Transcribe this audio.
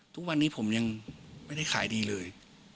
ทุกวันนี้ผมยังไม่ได้ขายดีเลย